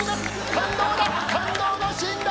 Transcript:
感動だ！